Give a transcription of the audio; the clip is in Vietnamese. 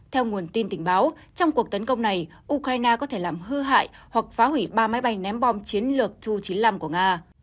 theo nguồn tin tình báo trong cuộc tấn công này ukraine có thể làm hư hại hoặc phá hủy ba máy bay ném bom chiến lược tu chín mươi năm của nga